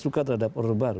suka terhadap order baru